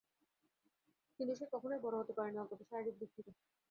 কিন্তু সে কখনোই বড়ো হতে পারেনি, অন্তত শারিরিক দিক থেকে।